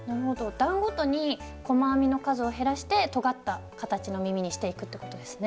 段ごとに細編みの数を減らしてとがった形の耳にしていくってことですね。